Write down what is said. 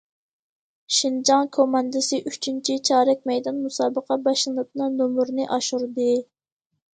شىنجاڭ كوماندىسى ئۈچىنچى چارەك مەيدان مۇسابىقە باشلىنىپلا نومۇرنى ئاشۇردى.